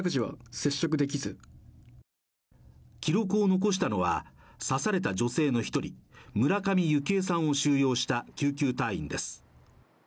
記録を残したのは、刺された女性の１人、村上幸枝さんを収容した救急隊員です。